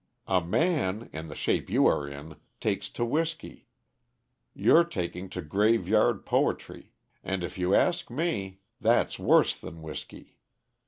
A man, in the shape you are in, takes to whisky. You're taking to graveyard poetry and, if you ask me, that's worse than whisky.